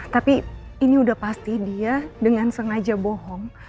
tapi ini udah pasti dia dengan sengaja bohong